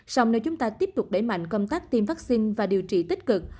sòng nơi chúng ta tiếp tục đẩy mạnh công tác tiêm vắc xin và điều trị tích cực